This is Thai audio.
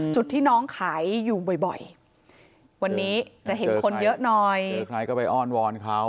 จุดที่น้องขายอยู่บ่อยวันนี้จะเห็นคนเยอะหน่อยมีใครก็ไปอ้อนวอนเขา